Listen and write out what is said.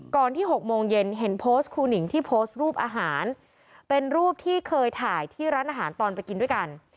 ที่๖โมงเย็นเห็นโพสต์ครูหนิงที่โพสต์รูปอาหารเป็นรูปที่เคยถ่ายที่ร้านอาหารตอนไปกินด้วยกัน